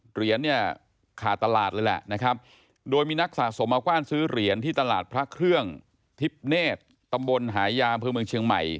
เหรียญเนี่ยขาดตลาดเลยแหละนะครับโดยมีนักสะสมมากว้านซื้อเหรียญที่ตลาดพระเครื่องทิพย์เนธตำบลหายามเภอเมืองเชียงใหม่